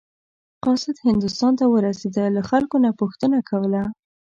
قاصد هندوستان ته ورسېده له خلکو نه پوښتنه کوله.